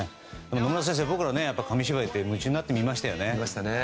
野村先生、僕ら紙芝居って夢中になって見ましたよね。